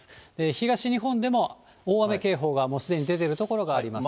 東日本でも大雨警報がもうすでに出ている所がありますね。